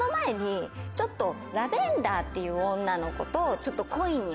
ちょっとラベンダーっていう女の子とちょっと。